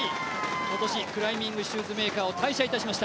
今年クライミングシューズメーカーを退社いたしました。